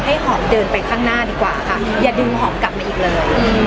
หอมเดินไปข้างหน้าดีกว่าค่ะอย่าดึงหอมกลับมาอีกเลย